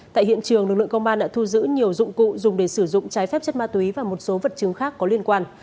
tại hiện trường lực lượng công an đã thu giữ nhiều dụng cụ dùng để sử dụng trái phép chất ma túy và một số vật chứng khác có liên quan